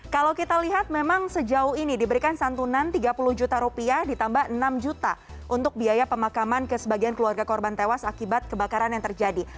kalau kita lihat memang sejauh ini diberikan santunan tiga puluh juta rupiah ditambah enam juta untuk biaya pemakaman ke sebagian keluarga korban tewas akibat kebakaran yang terjadi